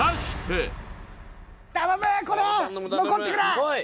残ってくれ！